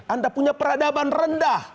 anda punya peradaban rendah